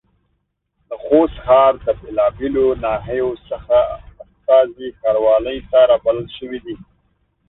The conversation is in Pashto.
د خوست ښار د بېلابېلو ناحيو څخه استازي ښاروالۍ ته رابلل شوي دي.